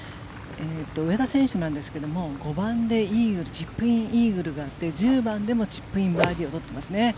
上田選手なんですが５番でチップインイーグルがあって１０番でもチップインバーディーを取っていますね。